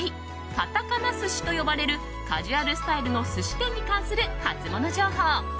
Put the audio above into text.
カタカナスシと呼ばれるカジュアルスタイルの寿司店に関するハツモノ情報。